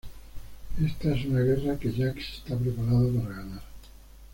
Ésta es una guerra que Jax está preparado para ganar.